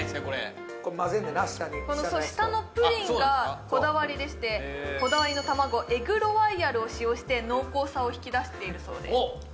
これこの下のプリンがこだわりでしてこだわりの卵エグロワイヤルを使用して濃厚さを引き出しているそうです